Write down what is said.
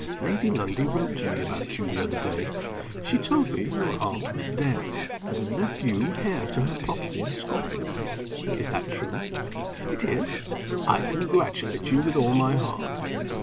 Lady Lundie wrote to me about you the other day. She told me your aunt was dead, and had left you heir to her property in Scotland. Is that true? It is? I congratulate you with all my heart.